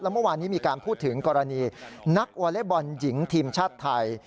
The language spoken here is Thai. เมื่อวานนี้มีการพูดถึงกรณีนักวอเล็กบอลหญิงทีมชาติไทย